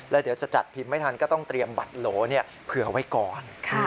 แล้วเดี๋ยวจะจัดพิมพ์ไม่ทันก็ต้องเตรียมบัตรโหลเผื่อไว้ก่อน